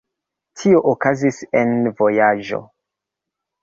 Tio okazis en vojaĝo.